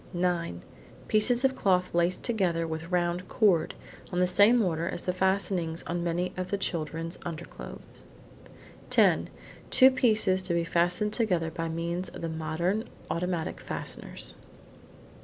Nine: pieces of cloth laced together with round cord, on the same order as the fastenings on many of the children's underclothes. Ten: two pieces to be fastened together by means of the modern automatic fasteners.